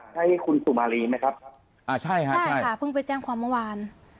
ให้คุณสุมารีไหมครับอ่าใช่ค่ะใช่ค่ะเพิ่งไปแจ้งความเมื่อวาน